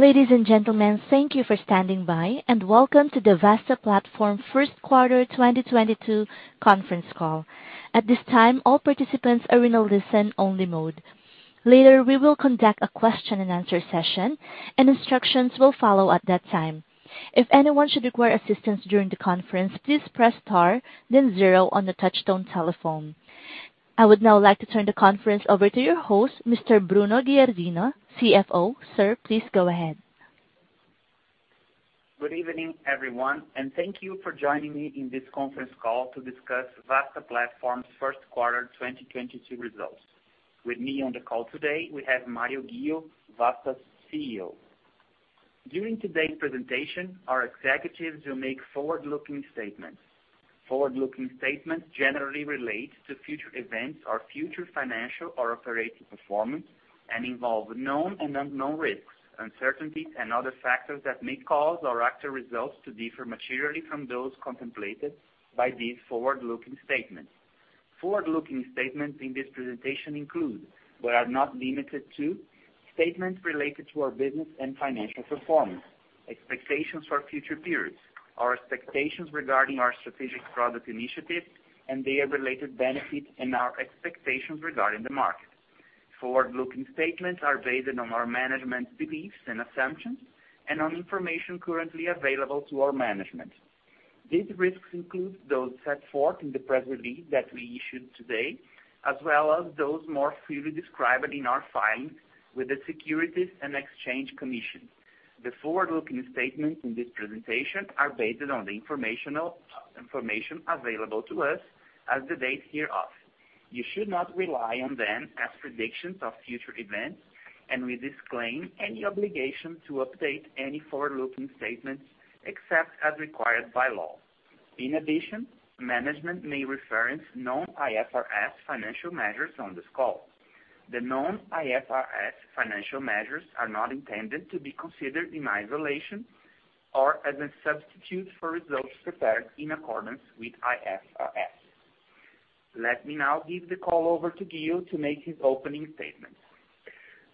Ladies and gentlemen, thank you for standing by, and Welcome to the Vasta Platform first quarter 2022 conference call. At this time, all participants are in a listen-only mode. Later, we will conduct a question and answer session and instructions will follow at that time. If anyone should require assistance during the conference, please press star then zero on the touchtone telephone. I would now like to turn the conference over to your host, Mr. Bruno Giardino, CFO. Sir, please go ahead. Good evening, everyone, and thank you for joining me in this conference call to discuss Vasta Platform's first quarter 2022 results. With me on the call today, we have Mário Ghio, Vasta's CEO. During today's presentation, our executives will make forward-looking statements. Forward-looking statements generally relate to future events or future financial or operating performance, and involve known and unknown risks, uncertainties and other factors that may cause our actual results to differ materially from those contemplated by these forward-looking statements. Forward-looking statements in this presentation include, but are not limited to, statements related to our business and financial performance, expectations for future periods, our expectations regarding our strategic product initiatives and their related benefits, and our expectations regarding the market. Forward-looking statements are based on our management's beliefs and assumptions and on information currently available to our management. These risks include those set forth in the press release that we issued today, as well as those more fully described in our filings with the Securities and Exchange Commission. The forward-looking statements in this presentation are based on the information available to us as of the date hereof. You should not rely on them as predictions of future events, and we disclaim any obligation to update any forward-looking statements except as required by law. In addition, management may reference non-IFRS financial measures on this call. The non-IFRS financial measures are not intended to be considered in isolation or as a substitute for results prepared in accordance with IFRS. Let me now give the call over to Ghio to make his opening statements.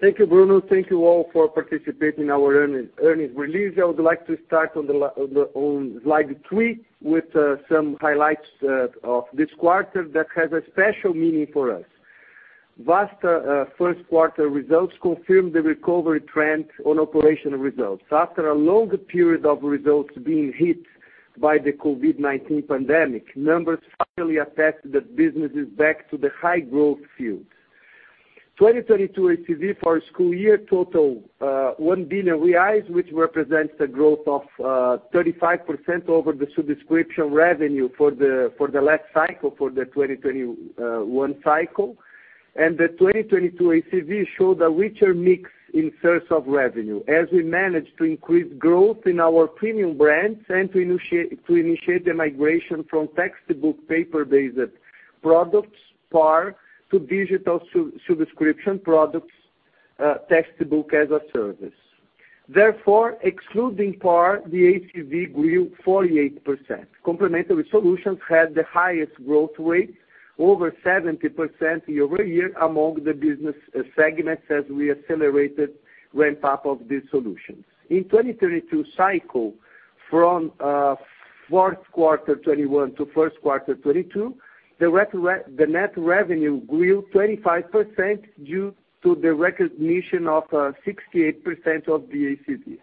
Thank you, Bruno. Thank you all for participating in our earnings release. I would like to start on slide three with some highlights of this quarter that has a special meaning for us. Vasta first quarter results confirm the recovery trend on operational results. After a longer period of results being hit by the COVID-19 pandemic, numbers finally attest that business is back to the high growth field. 2022 ACV for school year total 1 billion reais, which represents the growth of 35% over the subscription revenue for the last cycle, for the 2021 cycle. The 2022 ACV showed a richer mix in source of revenue as we managed to increase growth in our premium brands and to initiate the migration from textbook paper-based products, PAR, to digital subscription products, Textbook as a Service. Therefore, excluding PAR, the ACV grew 48%. Complementary solutions had the highest growth rate, over 70% year-over-year among the business segments as we accelerated ramp-up of these solutions. In 2022 cycle from fourth quarter 2021 to first quarter 2022, the net revenue grew 25% due to the recognition of 68% of the ACV.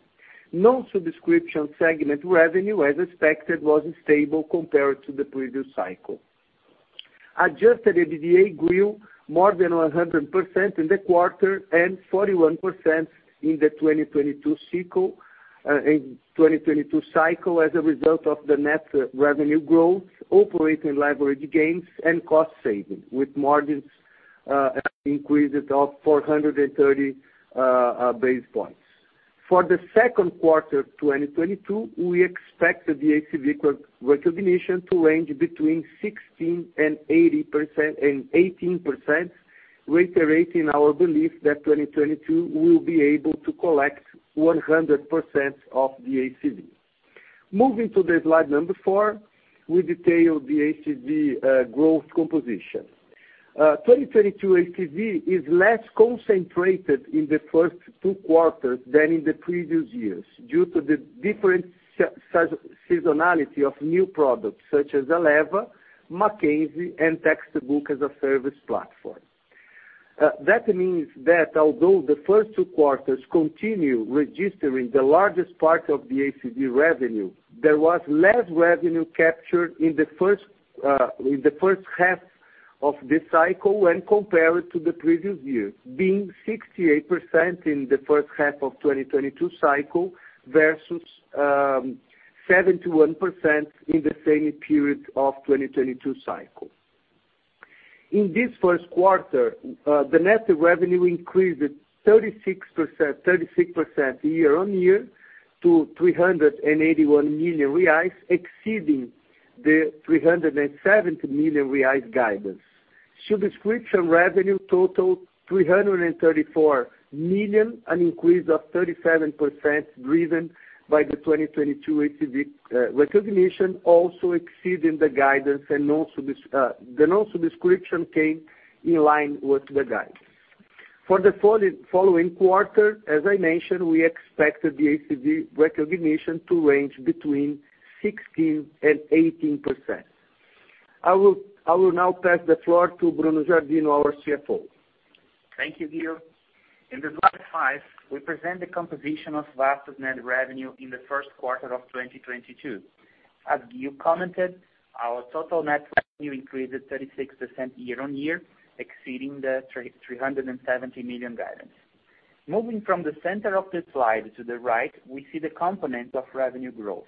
Non-subscription segment revenue, as expected, was stable compared to the previous cycle. Adjusted EBITDA grew more than 100% in the quarter and 41% in the 2022 cycle as a result of the net revenue growth, operating leverage gains, and cost savings, with margins increased by 430 basis points. For the second quarter 2022, we expect the ACV recognition to range between 16% and 18%, reiterating our belief that 2022 we'll be able to collect 100% of the ACV. Moving to the slide number four, we detail the ACV growth composition. 2022 ACV is less concentrated in the first two quarters than in the previous years due to the different seasonality of new products such as Eleva, Mackenzie, and Textbook as a Service platform. That means that although the first two quarters continue registering the largest part of the ACV revenue, there was less revenue captured in the first half of this cycle when compared to the previous year, being 68% in the first half of 2022 cycle versus 71% in the same period of 2022 cycle. In this first quarter, the net revenue increased 36% year-on-year to 381 million reais, exceeding the 370 million reais guidance. Subscription revenue totaled 334 million, an increase of 37% driven by the 2022 ACV recognition, also exceeding the guidance and also the non-subscription came in line with the guide. For the following quarter, as I mentioned, we expected the ACV recognition to range between 16%-18%. I will now pass the floor to Bruno Giardino, our CFO. Thank you, Ghio. In slide five, we present the composition of Vasta's net revenue in the first quarter of 2022. As Ghio commented, our total net revenue increased 36% year-over-year, exceeding the 337 million guidance. Moving from the center of the slide to the right, we see the components of revenue growth.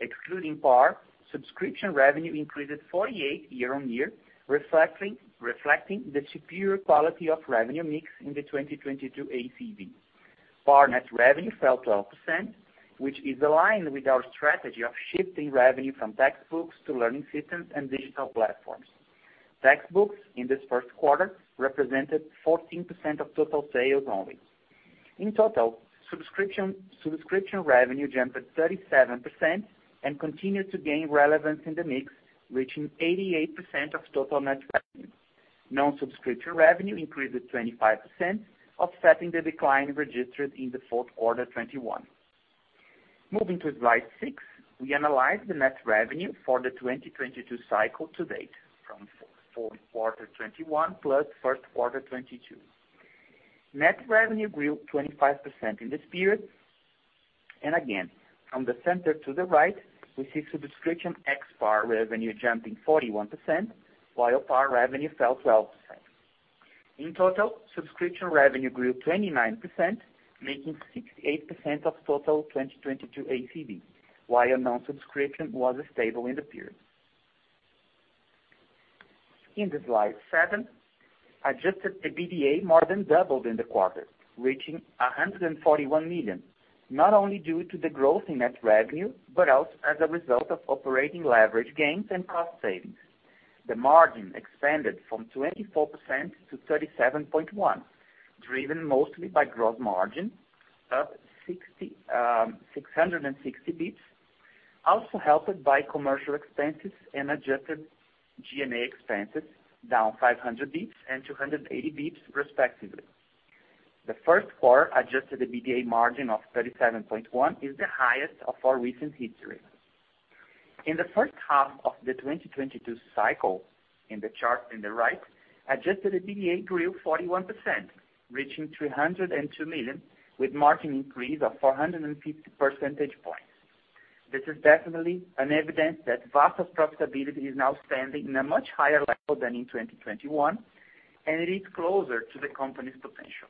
Excluding PAR, subscription revenue increased 48 year-over-year, reflecting the superior quality of revenue mix in the 2022 ACV. PAR net revenue fell 12%, which is aligned with our strategy of shifting revenue from textbooks to learning systems and digital platforms. Textbooks, in this first quarter, represented 14% of total sales only. In total, subscription revenue jumped 37% and continued to gain relevance in the mix, reaching 88% of total net revenue. Non-subscription revenue increased 25%, offsetting the decline registered in the fourth quarter 2021. Moving to slide six, we analyze the net revenue for the 2022 cycle to date, from fourth quarter 2021 plus first quarter 2022. Net revenue grew 25% in this period. Again, from the center to the right, we see subscription ex PAR revenue jumping 41%, while PAR revenue fell 12%. In total, subscription revenue grew 29%, making 68% of total 2022 ACV, while non-subscription was stable in the period. On slide seven, adjusted EBITDA more than doubled in the quarter, reaching 141 million, not only due to the growth in net revenue, but also as a result of operating leverage gains and cost savings. The margin expanded from 24%-37.1%, driven mostly by gross margin of 660 basis points, also helped by commercial expenses and adjusted G&A expenses, down 500 basis points and 280 basis points respectively. The first quarter adjusted EBITDA margin of 37.1% is the highest of our recent history. In the first half of the 2022 cycle in the chart on the right, adjusted EBITDA grew 41%, reaching 302 million with margin increase of 450 percentage points. This is definitely an evidence that Vasta's profitability is now standing in a much higher level than in 2021, and it is closer to the company's potential.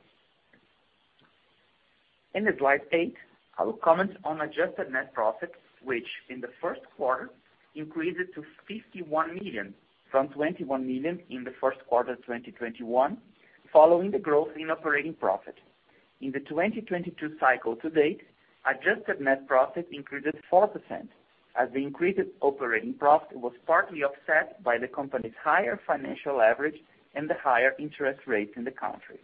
In slide eight, I will comment on adjusted net profit, which in the first quarter increased to 51 million from 21 million in the first quarter 2021, following the growth in operating profit. In the 2022 cycle to date, adjusted net profit increased 4%, as the increased operating profit was partly offset by the company's higher financial average and the higher interest rates in the country.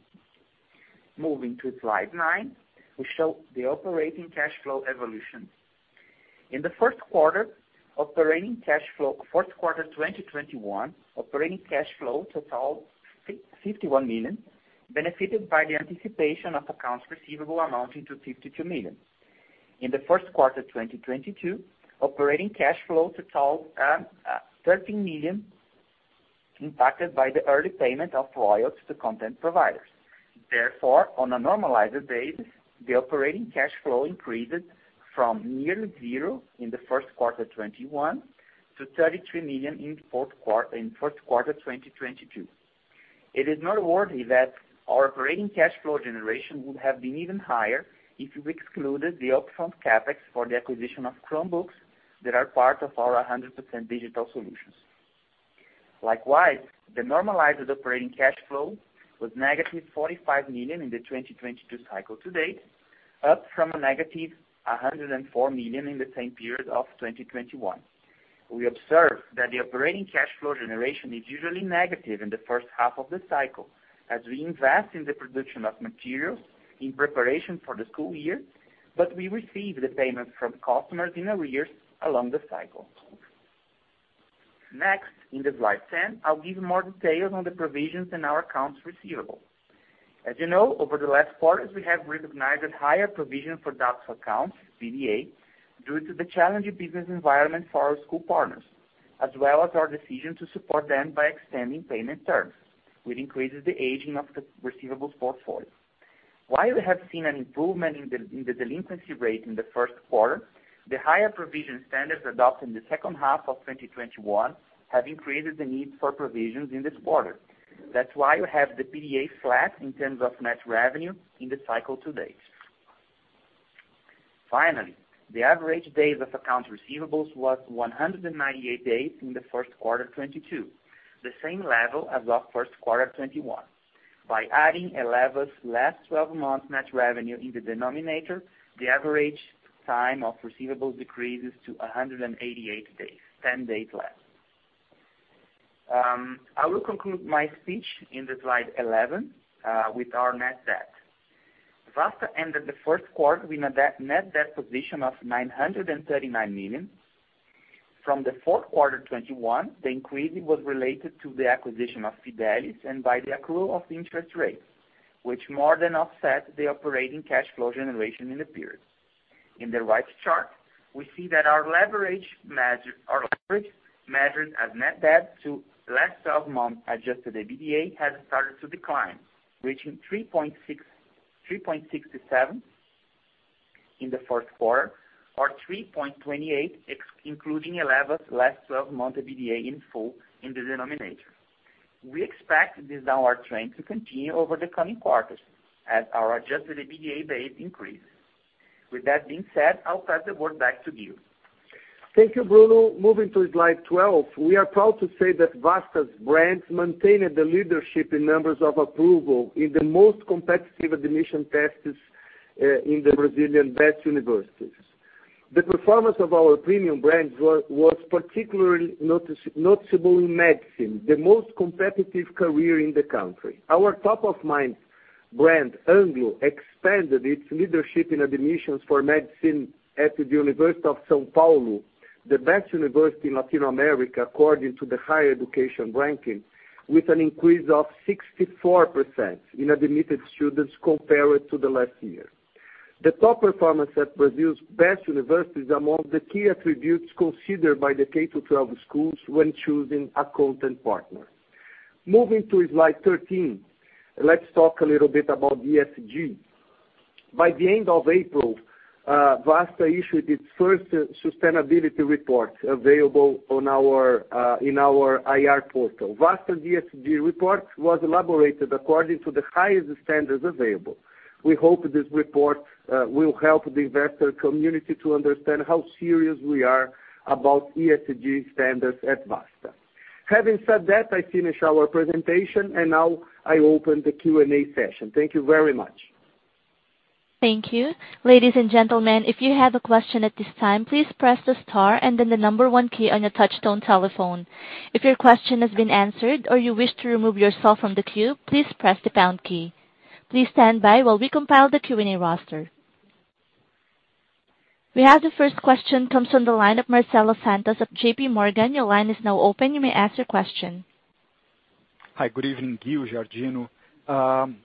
Moving to slide nine, we show the operating cash flow evolution. Fourth quarter 2021, operating cash flow totaled 51 million, benefited by the anticipation of accounts receivable amounting to 52 million. In the first quarter 2022, operating cash flow totaled 13 million, impacted by the early payment of royalties to content providers. Therefore, on a normalized basis, the operating cash flow increased from nearly zero in the first quarter 2021 to 33 million in first quarter 2022. It is noteworthy that our operating cash flow generation would have been even higher if we excluded the upfront CapEx for the acquisition of Chromebooks that are part of our 100% digital solutions. Likewise, the normalized operating cash flow was negative 45 million in the 2022 cycle to date, up from a negative 104 million in the same period of 2021. We observe that the operating cash flow generation is usually negative in the first half of the cycle, as we invest in the production of materials in preparation for the school year, but we receive the payments from customers in arrears along the cycle. Next, in slide 10, I'll give more details on the provisions in our accounts receivable. As you know, over the last quarters, we have recognized higher provision for doubtful accounts, PDA, due to the challenging business environment for our school partners, as well as our decision to support them by extending payment terms, which increases the aging of the receivables portfolio. While we have seen an improvement in the delinquency rate in the first quarter, the higher provision standards adopted in the second half of 2021 have increased the need for provisions in this quarter. That's why you have the PDA flat in terms of net revenue in the cycle to date. Finally, the average days of accounts receivable was 198 days in the first quarter 2022, the same level as of first quarter 2021. By adding Eleva last 12 months net revenue in the denominator, the average time of receivables decreases to 188 days, ten days less. I will conclude my speech in the slide 11, with our net debt. Vasta ended the first quarter with a net debt position of 939 million. From the fourth quarter 2021, the increase was related to the acquisition of Phidelis and by the accrual of interest rates, which more than offset the operating cash flow generation in the period. In the right chart, we see that our leverage measured as net debt to last twelve months adjusted EBITDA has started to decline, reaching 3.67 in the first quarter or 3.28 excluding Eleva's last 12-month EBITDA in full in the denominator. We expect this downward trend to continue over the coming quarters as our adjusted EBITDA base increases. With that being said, I'll pass the word back to Ghio. Thank you, Bruno. Moving to slide 12. We are proud to say that Vasta's brands maintained the leadership in numbers of approval in the most competitive admission tests in the Brazilian best universities. The performance of our premium brands was particularly noticeable in medicine, the most competitive career in the country. Our top of mind brand, Anglo, expanded its leadership in admissions for medicine at the University of São Paulo, the best university in Latin America according to the higher education ranking, with an increase of 64% in admitted students compared to the last year. The top performance at Brazil's best universities among the key attributes considered by the K-12 schools when choosing a content partner. Moving to slide 13. Let's talk a little bit about ESG. By the end of April, Vasta issued its first sustainability report available in our IR portal. Vasta's ESG report was elaborated according to the highest standards available. We hope this report will help the investor community to understand how serious we are about ESG standards at Vasta. Having said that, I finish our presentation, and now I open the Q&A session. Thank you very much. Thank you. Ladies and gentlemen, if you have a question at this time, please press the star and then the number one key on your touchtone telephone. If your question has been answered or you wish to remove yourself from the queue, please press the pound key. Please stand by while we compile the Q&A roster. We have the first question comes from the line of Marcelo Santos of JPMorgan. Your line is now open. You may ask your question. Hi, good evening, Ghio, Giardino.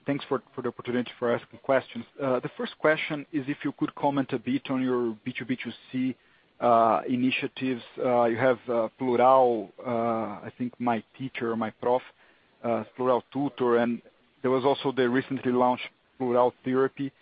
Thanks for the opportunity for asking questions. The first question is if you could comment a bit on your B2B2C initiatives. You have Plurall, I think MyTeacher or MyProf, Plurall MyTeacher, and there was also the recently launched Plurall MyTherapy.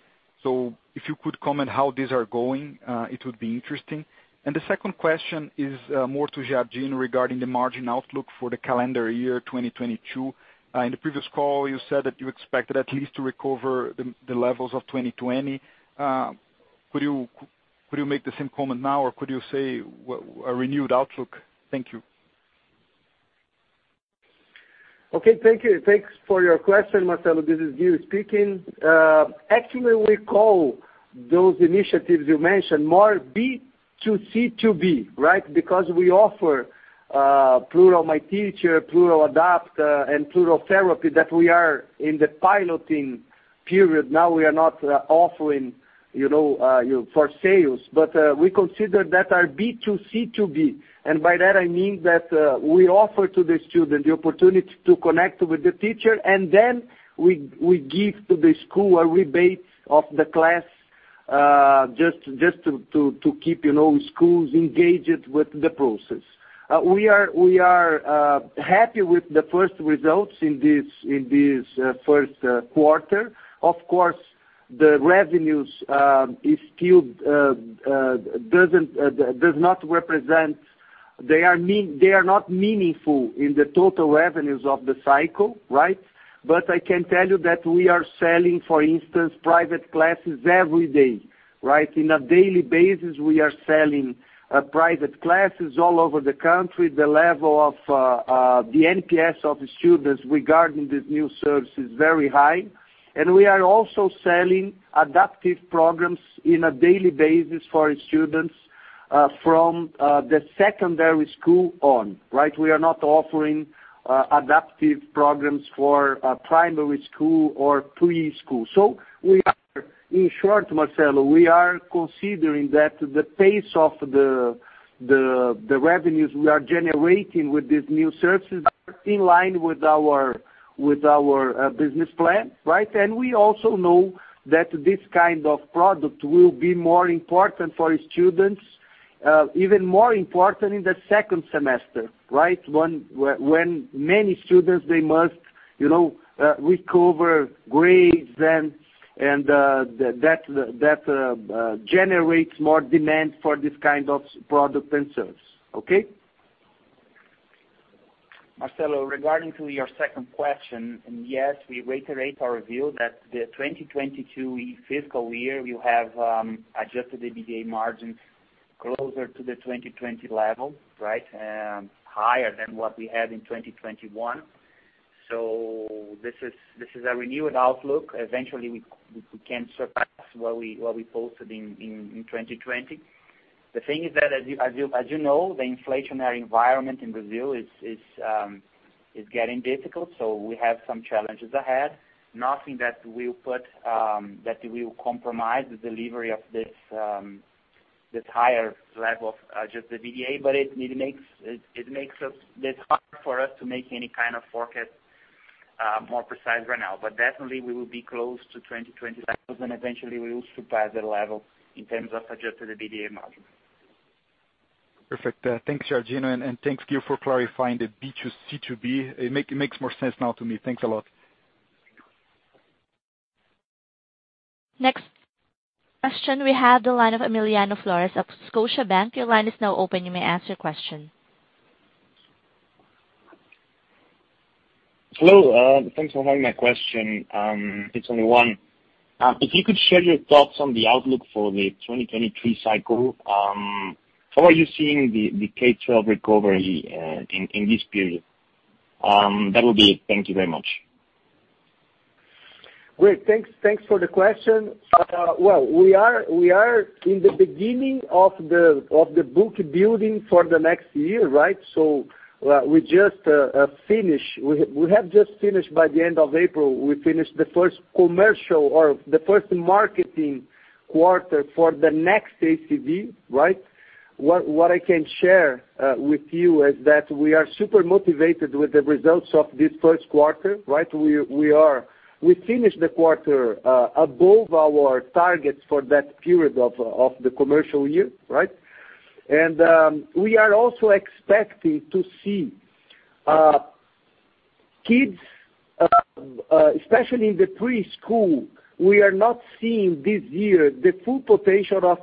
So if you could comment how these are going, it would be interesting. The second question is more to Giardino regarding the margin outlook for the calendar year 2022. In the previous call, you said that you expected at least to recover the levels of 2020. Could you make the same comment now or could you say a renewed outlook? Thank you. Okay. Thank you. Thanks for your question, Marcelo. This is Ghio speaking. Actually, we call those initiatives you mentioned more B2C2B, right? Because we offer Plurall MyTeacher, Plurall Adapta, and Plurall MyTherapy that we are in the piloting period now. We are not offering, you know, for sales. We consider that our B2C2B. By that, I mean that we offer to the student the opportunity to connect with the teacher, and then we give to the school a rebate of the class just to keep, you know, schools engaged with the process. We are happy with the first results in this first quarter. Of course, the revenues is still does not represent. They are not meaningful in the total revenues of the cycle, right? But I can tell you that we are selling, for instance, private classes every day, right? On a daily basis, we are selling private classes all over the country. The level of the NPS of students regarding these new services is very high. We are also selling adaptive programs on a daily basis for students from the secondary school on, right? We are not offering adaptive programs for a primary school or preschool. In short, Marcelo, we are considering that the pace of the revenues we are generating with these new services are in line with our business plan, right? We also know that this kind of product will be more important for students, even more important in the second semester, right? When many students, they must, you know, recover grades and that generates more demand for this kind of product and service. Okay? Marcelo, regarding to your second question, yes, we reiterate our view that the 2022 fiscal year will have adjusted EBITDA margins closer to the 2020 level, right? Higher than what we had in 2021. This is a renewed outlook. Eventually, we can surpass what we posted in 2020. The thing is that as you know, the inflationary environment in Brazil is getting difficult. We have some challenges ahead. Nothing that will compromise the delivery of this higher level of adjusted EBITDA, but it makes this hard for us to make any kind of forecast more precise right now. Definitely we will be close to 2020 levels, and eventually we will surpass that level in terms of adjusted EBITDA margin. Perfect. Thanks, Giardino. Thanks, Ghio, for clarifying the B2C2B. It makes more sense now to me. Thanks a lot. Next question, we have the line of Emiliano Flores of Scotiabank. Your line is now open. You may ask your question. Hello. Thanks for having my question. It's only one. If you could share your thoughts on the outlook for the 2023 cycle, how are you seeing the K-12 recovery in this period? That would be it. Thank you very much. Great. Thanks for the question. We are in the beginning of the book building for the next year, right? We have just finished by the end of April. We finished the first commercial or the first marketing quarter for the next ACV, right? What I can share with you is that we are super motivated with the results of this first quarter, right? We finished the quarter above our targets for that period of the commercial year, right? We are also expecting to see kids, especially in the preschool. We are not seeing this year the full potential of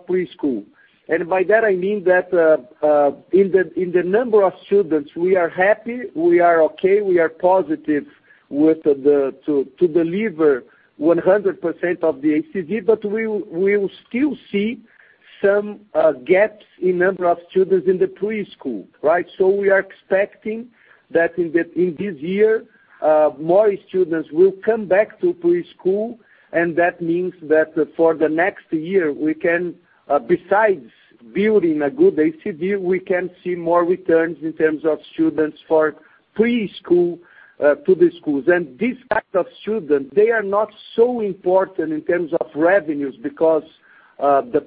preschool. By that, I mean that in the number of students, we are happy, we are okay, we are positive to deliver 100% of the ACV, but we will still see some gaps in number of students in the preschool, right? We are expecting that in this year, more students will come back to preschool, and that means that for the next year, we can, besides building a good ACV, see more returns in terms of students for preschool to the schools. This type of students, they are not so important in terms of revenues because the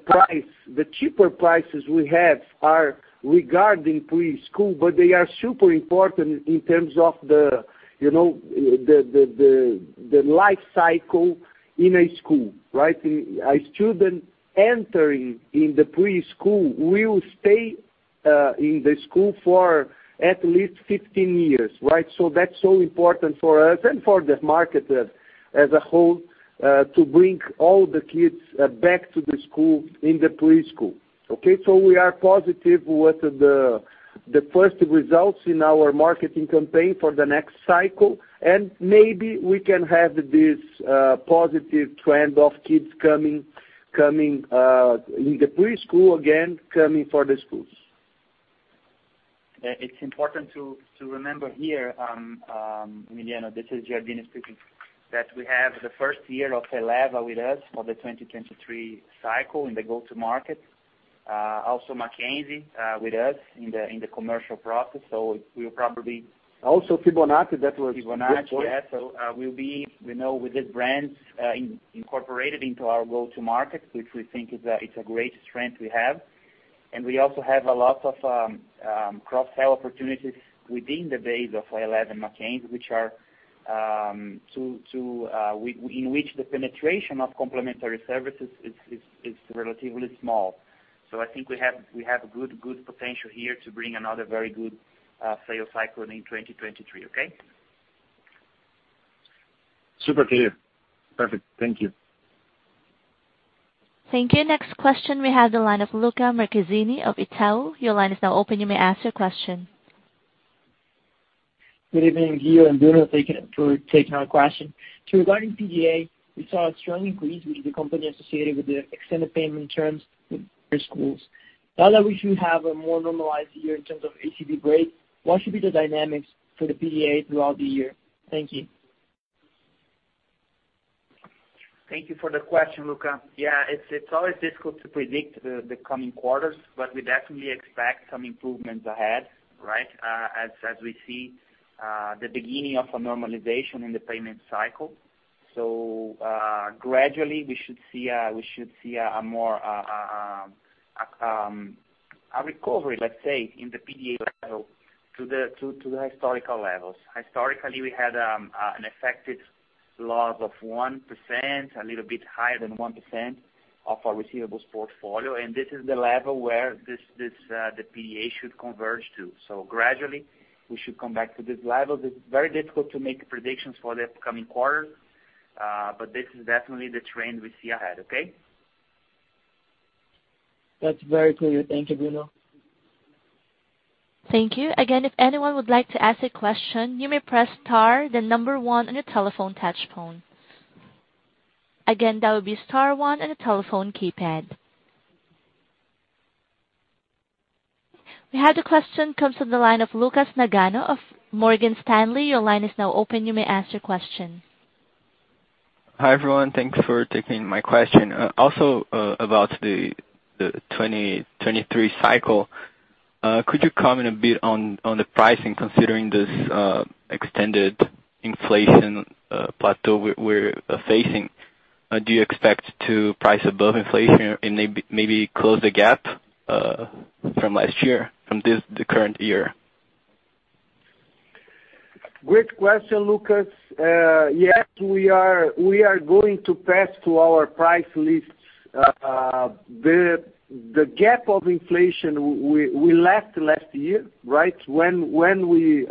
cheaper prices we have are regarding preschool, but they are super important in terms of the, you know, the life cycle in a school, right? A student entering in the preschool will stay in the school for at least 15 years, right? That's so important for us and for the market as a whole to bring all the kids back to the school in the preschool, okay? We are positive with the first results in our marketing campaign for the next cycle, and maybe we can have this positive trend of kids coming in the preschool again, coming for the schools. It's important to remember here, Emiliano, this is Giardino speaking, that we have the first year of Eleva with us for the 2023 cycle in the go-to-market. Also, Mackenzie with us in the commercial process, so it will probably- Also, Fibonacci that was. Fibonacci, yeah. We'll be, you know, with these brands incorporated into our go-to-market, which we think is a great strength we have. We also have a lot of cross-sell opportunities within the base of Eleva and Mackenzie, in which the penetration of complementary services is relatively small. I think we have good potential here to bring another very good sales cycle in 2023, okay? Super clear. Perfect. Thank you. Thank you. Next question. We have the line of Luca Marchesani of Itaú. Your line is now open. You may ask your question. Good evening, Ghio and Bruno. Thank you for taking our question. Regarding PDA, we saw a strong increase with the company associated with the extended payment terms with their schools. Now that we should have a more normalized year in terms of ACV grade, what should be the dynamics for the PDA throughout the year? Thank you. Thank you for the question, Luca. Yeah, it's always difficult to predict the coming quarters, but we definitely expect some improvements ahead, right? As we see the beginning of a normalization in the payment cycle. Gradually, we should see a recovery, let's say, in the PDA level to the historical levels. Historically, we had an effective loss of 1%, a little bit higher than 1% of our receivable's portfolio. This is the level where the PDA should converge to. Gradually, we should come back to this level. It's very difficult to make predictions for the upcoming quarter, but this is definitely the trend we see ahead. Okay? That's very clear. Thank you, Bruno. Thank you. Again, if anyone would like to ask a question, you may press star then number one on your telephone touch tone. Again, that would be star one on your telephone keypad. We have a question from the line of Lucas Nagano of Morgan Stanley. Your line is now open. You may ask your question. Hi, everyone. Thanks for taking my question. Also, about the 2023 cycle, could you comment a bit on the pricing considering this extended inflation plateau we're facing? Do you expect to price above inflation and maybe close the gap from last year, from the current year? Great question, Lucas. Yes, we are going to pass to our price lists the gap of inflation we left last year, right? When we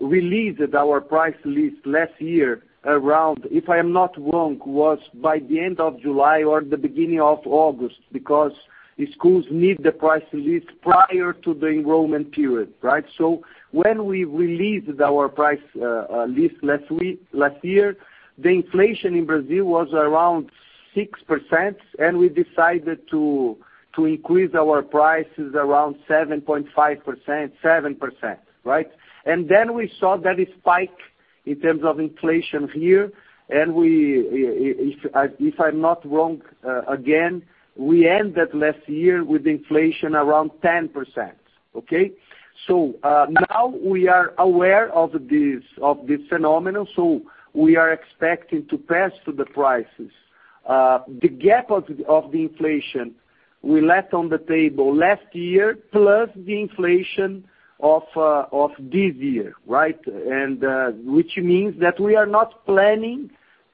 released our price list last year, if I am not wrong, by the end of July or the beginning of August because the schools need the price list prior to the enrollment period, right? When we released our price list last year, the inflation in Brazil was around 6%, and we decided to increase our prices around 7.5%, 7%, right? Then we saw that spike in terms of inflation here, and if I'm not wrong, again, we ended last year with inflation around 10%. Okay? Now we are aware of this phenomenon, so we are expecting to pass the prices. The gap of the inflation we left on the table last year, plus the inflation of this year, right? Which means that we are not planning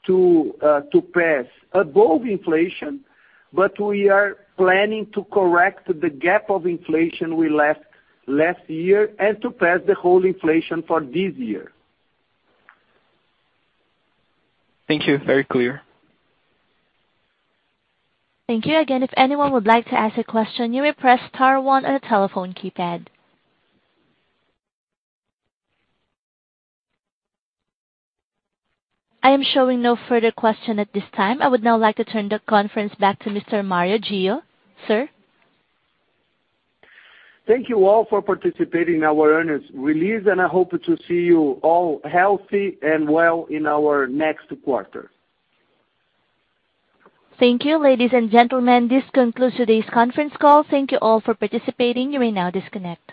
to pass above inflation, but we are planning to correct the gap of inflation we left last year and to pass the whole inflation for this year. Thank you. Very clear. Thank you. Again, if anyone would like to ask a question you may press star one on your telephone keypad. I am showing no further question at this time. I would now like to turn the conference back to Mr. Mário Ghio. Sir? Thank you all for participating in our earnings release, and I hope to see you all healthy and well in our next quarter. Thank you. Ladies and gentlemen, this concludes today's conference call. Thank you all for participating. You may now disconnect.